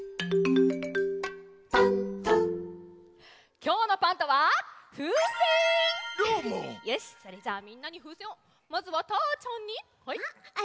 きょうのよしそれじゃあみんなにふうせんをまずはたーちゃんにはい。